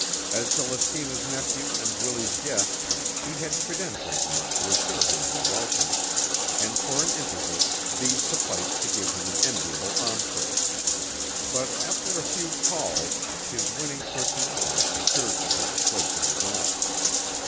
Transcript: As Celestina's nephew and Willie's guest he had credentials enough to assure him of a welcome, and for an interval these sufficed to give him an enviable entrée; but after a few calls, his winning personality secured for him a place of his own.